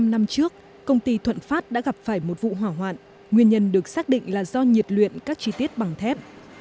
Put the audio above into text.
bốn mươi năm năm trước công ty thuận phát đã gặp phải một vụ hỏa hoạn nguyên nhân được xác định là do nhiệt luyện các chi tiết bằng thép